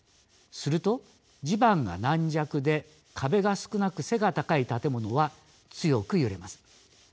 すると地盤が軟弱で壁が少なく背が高い建物は強く揺れます。